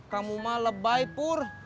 kamu mah lebay pur